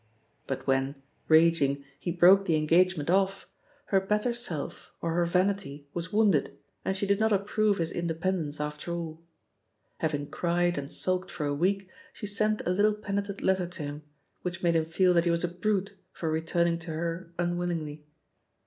But when, raging, he broke the engagement; off, her better self, or her vanity, was wounded, and she did not approve his independence after an. Having cried and sulked for a week, she aent a little penitent letter to him, which made him feel that he was a brute for returning to her imwillingly.